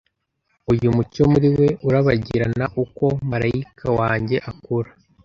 Uyu mucyo muri we urabagirana uko marayika wanjye akura.